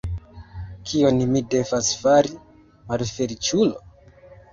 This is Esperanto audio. Kion mi devas fari, malfeliĉulo?